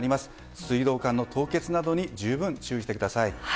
水道管の凍結などに十分注意してください。